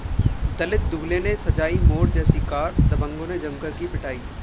दलित दूल्हे ने सजाई मोर जैसी कार, दबंगों ने जमकर की पिटाई